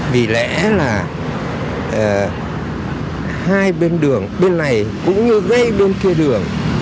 vì lẽ là hai bên đường bên này cũng gây bên kia đường